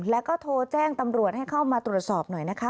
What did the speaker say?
แล้วก็โทรแจ้งตำรวจให้เข้ามาตรวจสอบหน่อยนะคะ